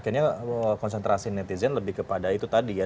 kayaknya konsentrasi netizen lebih kepada itu tadi ya